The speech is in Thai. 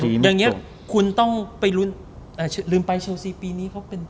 พี่หมอรันยังเชื่อว่าอยู่เต็ดดีกว่าเล็ก